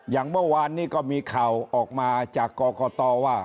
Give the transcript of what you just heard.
อย่างเมื่อวานนี้ก็มีข่าวออกมาจากกรกตว่า